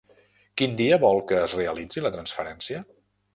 Quin dia vol que es realitzi la transferència?